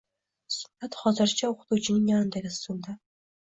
Zumrad hozircha o‘qituvchining yonidagi stulda